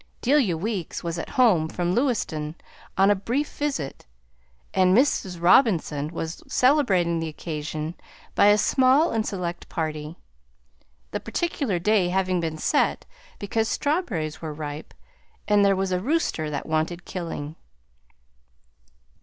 Delia Weeks was at home from Lewiston on a brief visit, and Mrs. Robinson was celebrating the occasion by a small and select party, the particular day having been set because strawberries were ripe and there was a rooster that wanted killing.